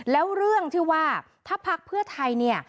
แล้วเรื่องที่ว่าถ้าพักเพื่อไทยเนี่ย